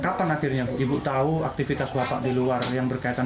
kapan akhirnya ibu tahu aktivitas bapak di luar yang berkaitan